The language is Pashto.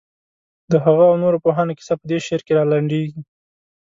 د هغه او نورو پوهانو کیسه په دې شعر کې رالنډېږي.